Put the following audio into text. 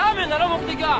目的は！